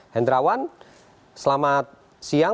hendrawan selamat siang